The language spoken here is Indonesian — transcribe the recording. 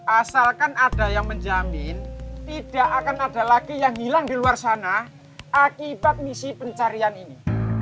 asalkan ada yang menjamin tidak akan ada lagi yang hilang di luar sana akibat misi pencarian ini